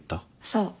そう。